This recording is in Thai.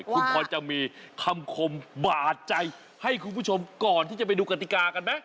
คุณพรจะมีคำคมบาดใจให้คุณผู้ชมก่อนที่จะไปดูกติกากันไหม